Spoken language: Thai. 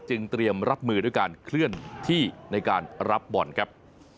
เตรียมรับมือด้วยการเคลื่อนที่ในการรับบอลครับ